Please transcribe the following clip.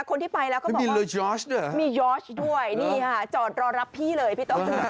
คนที่ไปแล้วก็บอกว่ามียอร์จด้วยนี่ค่ะรอรับพี่เลยพี่ต้องดู